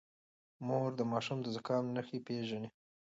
مور د ماشوم د زکام نښې پېژني.